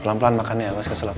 pelan pelan makan ya mas keselap